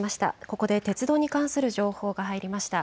ここで鉄道に関する情報が入りました。